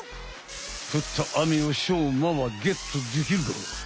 ふった雨をしょうまはゲットできるか？